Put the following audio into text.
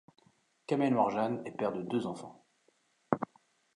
Kamel Morjane est père de deux enfants.